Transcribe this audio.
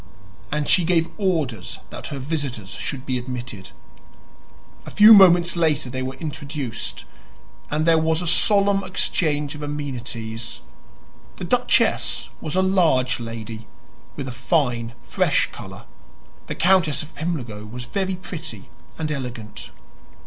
And she gave orders that her visitors should be admitted. A few moments later they were introduced, and there was a solemn exchange of amenities. The duchess was a large lady, with a fine fresh color; the Countess of Pimlico was very pretty and elegant.